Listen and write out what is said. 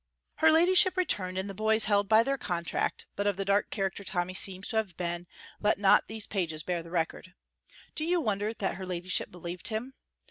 Her ladyship returned, and the boys held by their contract, but of the dark character Tommy seems to have been, let not these pages bear the record. Do you wonder that her ladyship believed him?